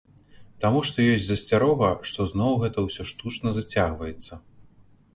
Таму што ёсць засцярога, што зноў гэта ўсё штучна зацягваецца.